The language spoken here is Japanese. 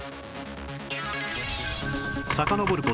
さかのぼる事